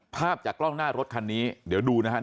ภาพจากกล้องหน้ารถคันนี้เดี๋ยวดูนะครับ